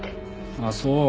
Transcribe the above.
ああそう。